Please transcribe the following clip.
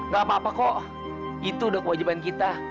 gak apa apa kok itu udah kewajiban kita